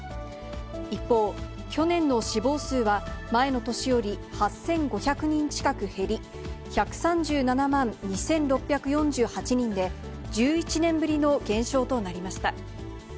一方、去年の死亡数は、前の年より８５００人近く減り、１３７万２６４８人で、１１年ぶりの減少となりました。